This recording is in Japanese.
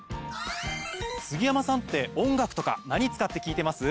杉山さんって音楽とか何使って聞いてます？